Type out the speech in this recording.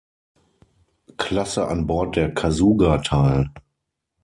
Klasse an Bord der "Kasuga" teil.